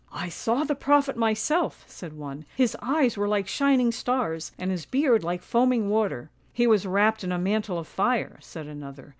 " I saw the prophet myself," said one; " his eyes were like shining stars, and his beard like foaming water." " He was wrapped in a mantle of fire," said another.